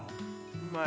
うまい？